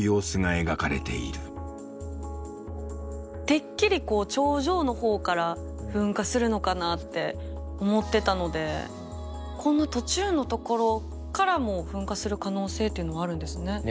てっきり頂上の方から噴火するのかなって思ってたのでこんな途中のところからも噴火する可能性というのはあるんですね。